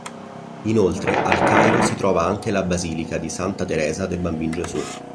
Inoltre, al Cairo si trova anche la basilica di Santa Teresa del Bambin Gesù.